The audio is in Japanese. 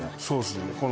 そうですね。